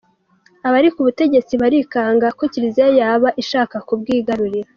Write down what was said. Abari ku butegetsi barikanga ko kiliziya yaba ishaka kubwigarurira